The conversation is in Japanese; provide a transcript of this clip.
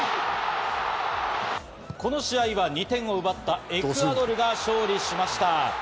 この試合は２点を奪ったエクアドルが勝利しました。